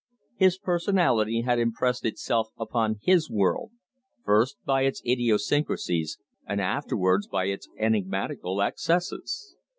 His personality had impressed itself upon his world, first by its idiosyncrasies and afterwards by its enigmatical excesses.